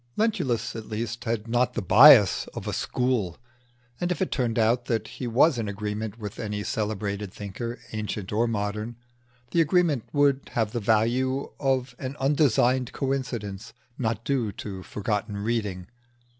Lentulus at least had not the bias of a school; and if it turned out that he was in agreement with any celebrated thinker, ancient or modern, the agreement would have the value of an undesigned coincidence not due to forgotten reading.